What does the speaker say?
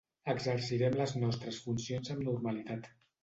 Exercirem les nostres funcions amb normalitat.